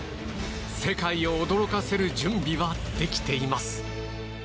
世界を驚かせる準備はできています！